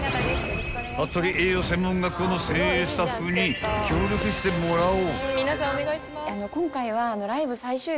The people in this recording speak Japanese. ［服部栄養専門学校の精鋭スタッフに協力してもらおう］